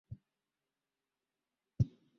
yaliyodhibitiwa ya binadamu yamewahi kufanywa